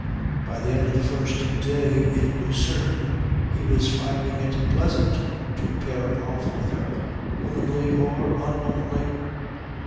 By the end of the first day in Lucerne he was finding it pleasant to pair off with her, womanly or unwomanly.